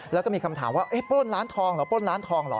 แล้วก็มีคำถามว่าปล้นร้านทองเหรอปล้นร้านทองเหรอ